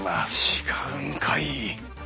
違うんかい！